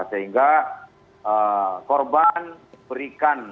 sehingga korban berikan